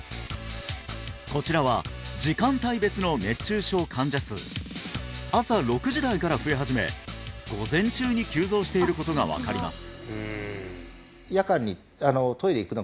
こちらは時間帯別の熱中症患者数朝６時台から増え始め午前中に急増していることが分かります